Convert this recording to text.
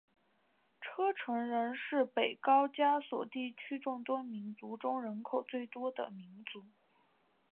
车臣人是北高加索地区众多民族中人口最多的民族。